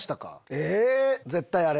え？